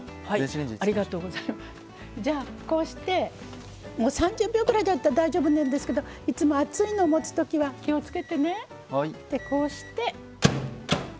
こうして３０秒くらいたったら大丈夫なんですけどいつも熱いのを持つときは気をつけてね。